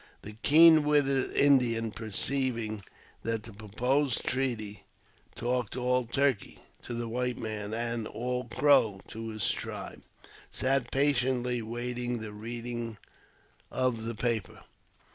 The keen witted Indian, perceiving that the proposed treaty " talked all turkey" to the white man and ''all crow" to his tribe, sat patiently during the reading of the paper.!